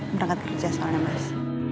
berangkat kerja soalnya mas